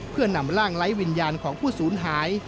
เพื่อนำร่างไร้วิญญาณของผู้สูญหาย